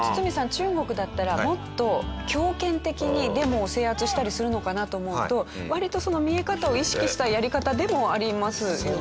中国だったらもっと強権的にデモを制圧したりするのかなと思うと割と見え方を意識したやり方でもありますよね。